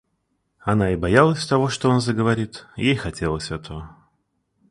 Она и боялась того, что он заговорит, и ей хотелось этого.